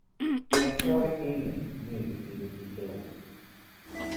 Patriotic Union knew he would be killed.